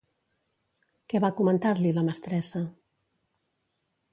Què va comentar-li la mestressa?